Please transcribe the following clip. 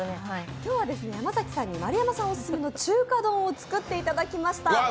今日は山崎さんに丸山さんオススメの中華丼を作っていただきました。